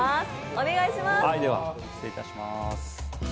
お願いします。